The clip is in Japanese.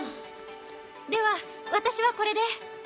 では私はこれで。